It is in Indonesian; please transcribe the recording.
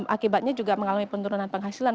akibatnya juga mengalami penurunan penghasilan